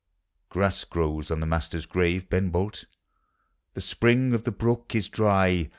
Grass grows on the master's grave, Ben Bolt, The spring of the brook is dry.